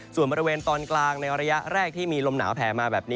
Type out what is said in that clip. ส่วนบริเวณตอนกลางในระยะแรกที่มีลมหนาวแผลมาแบบนี้